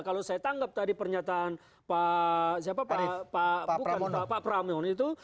kalau saya tanggap tadi pernyataan pak pramyon itu